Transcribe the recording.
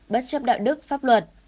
bất chấp đạo đức pháp luật